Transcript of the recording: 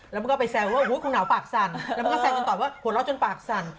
แล้วมึงก็ไปแซมว่าคงเหนาปากสั่นและมึงก็แซมจนตอบว่าขวดราดจนปากสั่น